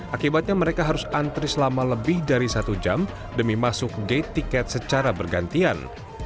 akibatnya mereka harus antri selama lebih dari satu jam demi masuk gate tiket secara bergantian